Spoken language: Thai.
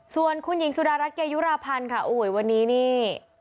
ส่วนคุณหญิงสุดารัฐเกยุราพันธ์ค่ะโอ้โหวันนี้นี่